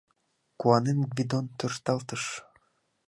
Куанен Гвидон тӧршталтыш